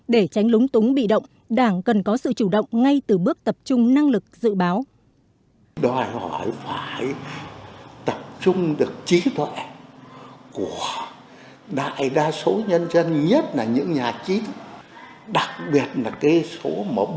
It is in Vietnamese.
để tránh lúng túng bị động đảng cần có sự chủ động ngay từ bước tập trung năng lực dự báo